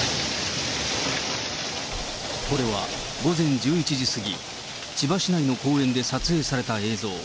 これは午前１１時過ぎ、千葉市内の公園で撮影された映像。